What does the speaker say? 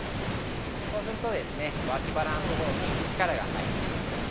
そうすると、脇腹のところに力が入ってきます。